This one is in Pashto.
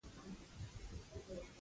دا ولې دومره سره محدود دي.